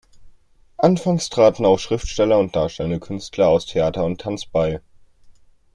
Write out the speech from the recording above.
Anfangs traten auch Schriftsteller und darstellende Künstler aus Theater und Tanz bei.